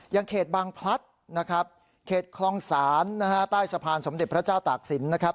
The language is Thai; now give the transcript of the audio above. ยังเขตบางพลัดนะครับเขตคลองศาลใต้สะพานสมเด็จพระเจ้าตากศิลป์